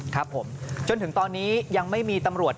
ครับผมจนถึงตอนนี้ยังไม่มีตำรวจ